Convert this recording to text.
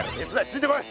ついてこい！